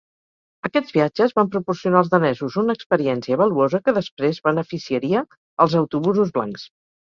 Aquests viatges van proporcionar als danesos una experiència valuosa que després beneficiaria els "Autobusos Blancs".